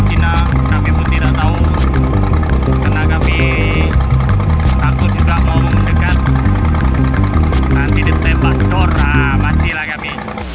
yang tapi pun tidak tahu karena kami aku juga mau mendekat nanti ditembak jorah masih lagi